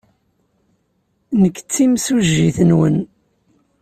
Nekk d timsujjit-nwen.